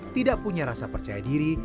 tidak punya rasa percaya diri